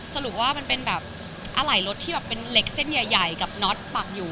สรุปว่ามันเป็นแบบอะไหล่รถที่แบบเป็นเหล็กเส้นใหญ่กับน็อตปักอยู่